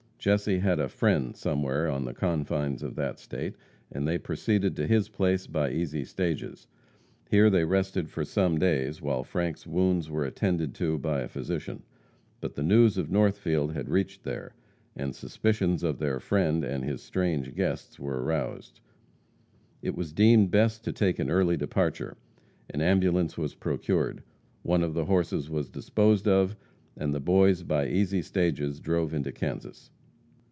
Jesse had a "friend" somewhere on the confines of that state, and they proceeded to his place by easy stages. Here they rested for some days while Frank's wounds were attended to by a physician. But the news of Northfield had reached there, and suspicions of their friend and his strange guests were aroused. It was deemed best to take an early departure. An ambulance was procured. One of the horses was disposed of, and the boys by easy stages drove into Kansas.